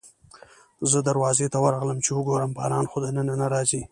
زه دروازې ته ورغلم چې وګورم باران خو دننه نه راځي.